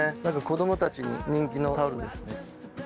子供たちに人気のタオルですね。